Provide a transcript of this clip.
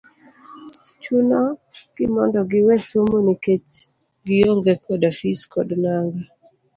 chuno gi mondo giwe somo nikech gi onge koda fis kod nanga.